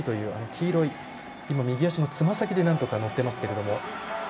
黄色い、今、右足のつま先でなんとか乗っていますけれども。